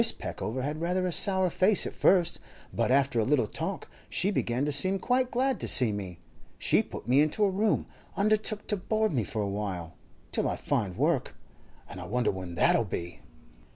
Peckover had rather a sour face at first, but after a little talk she began to seem quite glad to see me. She put me into a room, undertook to board me for a while—till I find work, and I wonder when that'll be?